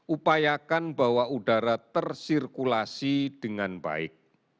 upayakan bahwa udara tersirkulasi dengan baik